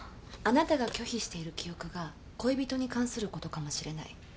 あなたが拒否している記憶が恋人に関することかもしれない。